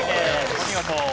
お見事。